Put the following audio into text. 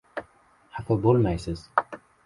Xafa bo‘lmaysiz.